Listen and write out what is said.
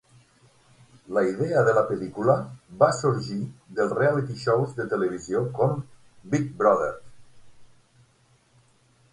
La idea de la pel·lícula va sorgir dels reality shows de televisió com "Big Brother".